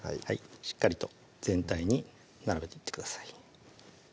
しっかりと全体に並べていってください